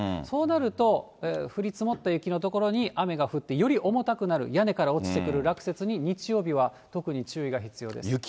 そうなると降り積もった雪の所に雨が降って、より重たくなる、屋根から落ちてくる落雪に日曜日は特に注意が必要です。